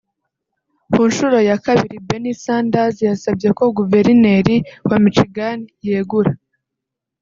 Ku nshuro ya kabiri Bernie Sanders yasabye ko Guverineri wa Michigan yegura